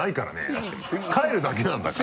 だって帰るだけなんだから。